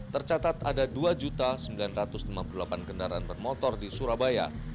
tercatat ada dua sembilan ratus lima puluh delapan kendaraan bermotor di surabaya